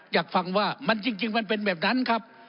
อยากฟังว่ามันจริงมันเป็นแบบนั้นครับ